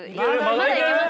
まだいけます